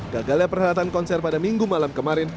gagalnya perhelatan konser pada minggu malam kemarin